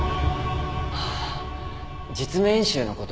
ああ実務演習のこと？